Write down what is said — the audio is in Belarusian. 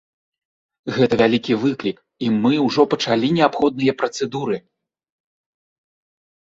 Гэта вялікі выклік, і мы ўжо пачалі неабходныя працэдуры.